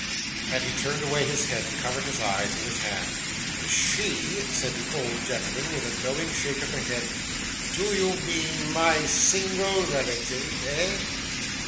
and he turned away his head, and covered his eyes with his hand. 'She!' said the old gentleman, with a knowing shake of the head. 'Do you mean my single relative eh?